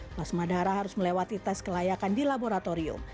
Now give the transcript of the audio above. plasma darah harus melewati tes kelayakan di laboratorium